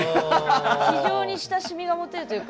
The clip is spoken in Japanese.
非常に親しみが持てるというか。